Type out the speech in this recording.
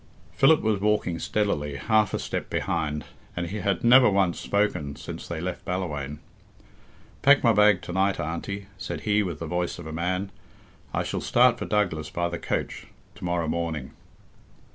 Philip was walking steadily half a step behind, and he had never once spoken since they left Ballawhaine. "Pack my bag to night, Auntie," said he with the voice of a man; "I shall start for Douglas by the coach to morrow morning."